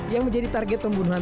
yang menjadi target pembunuhan